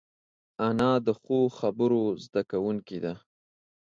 انا د ښو خبرو زده کوونکې ده